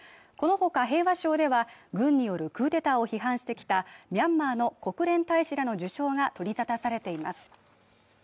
このほか平和賞では軍によるクーデターを批判してきたミャンマーの国連大使らの受賞が取り沙汰されています。